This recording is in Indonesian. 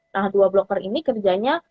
nah h dua blocker ini kerjanya